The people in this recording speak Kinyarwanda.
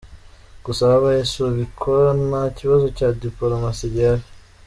Gusa habaye isubikwa, nta kibazo cya dipolomasi gihari.”